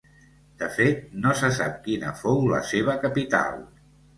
De fet, no se sap quina fou la seva capital.